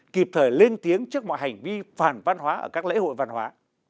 kịp thời lên tiếng trước mọi hành vi phản văn hóa ở các lễ hội văn hóa